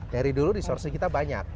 dari dulu resource kita banyak